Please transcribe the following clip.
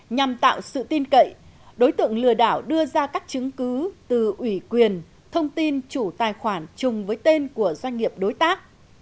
nhằm tạo sự tin cậy đối tượng lừa đảo đưa ra các chứng cứ từ ủy quyền thông tin chủ tài khoản chung với tên của doanh nghiệp đối tác